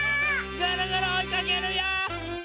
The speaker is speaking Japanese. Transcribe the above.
ぐるぐるおいかけるよ！